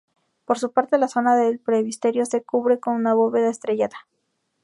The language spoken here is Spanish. Por su parte la zona del presbiterio se cubre con bóveda estrellada.